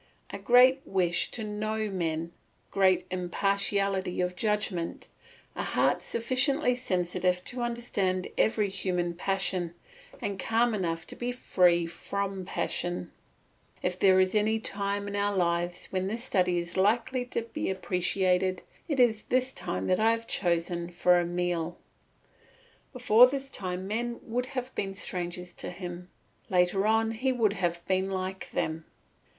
A great wish to know men, great impartiality of judgment, a heart sufficiently sensitive to understand every human passion, and calm enough to be free from passion. If there is any time in our life when this study is likely to be appreciated, it is this that I have chosen for Emile; before this time men would have been strangers to him; later on he would have been like them.